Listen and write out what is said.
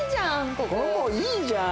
ここいいじゃん！